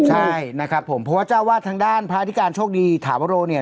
ใช่นะครับผมเพราะว่าเจ้าวาดทางด้านพระอธิการโชคดีถาวโรเนี่ย